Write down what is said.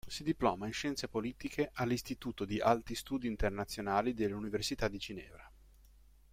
Si diploma in Scienze politiche all'Istituto di alti studi internazionali dell'Università di Ginevra.